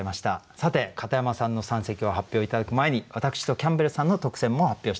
さて片山さんの三席を発表頂く前に私とキャンベルさんの特選も発表したいと思います。